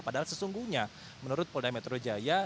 padahal sesungguhnya menurut polda metro jaya